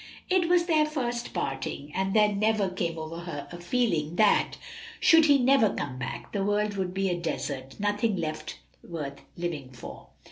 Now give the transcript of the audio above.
It was their first parting, and there came over her a feeling that, should he never come back, the world would be a desert, nothing left worth living for.